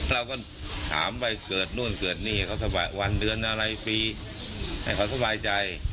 เราก็ถามไปเกิดนู่นเกิดนี่เขาสบายวันเดือนอะไรปีให้เขาสบายใจ